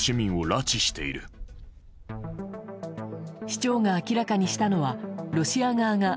市長が明らかにしたのはロシア側が